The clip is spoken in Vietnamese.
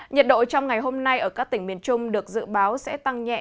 nhiệt độ trong ngày hôm nay ở các tỉnh miền trung được dự báo sẽ tăng nhẹ